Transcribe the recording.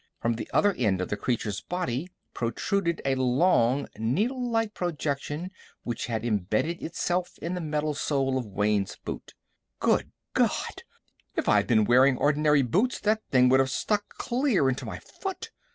From the other end of the creature's body protruded a long, needle like projection which had imbedded itself in the metal sole of Wayne's boot. "Good God! If I'd been wearing ordinary boots, that thing would have stuck clear into my foot!"